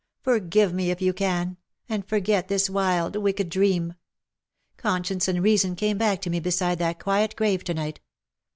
Forgive me, if you can — and forget this wild wicked dream. Conscience and reason came back to me beside that quiet grave to night.